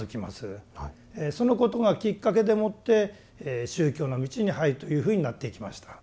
そのことがきっかけでもって宗教の道に入るというふうになっていきました。